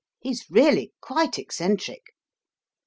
He's really quite eccentric."